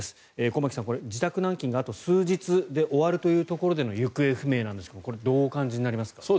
駒木さん、自宅軟禁があと数日で終わるというところでの行方不明なんですがこれ、どうお感じになりますか？